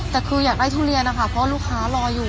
แต่คืออยากได้ทุเรียนนะคะเพราะลูกค้ารออยู่